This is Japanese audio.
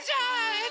えっ！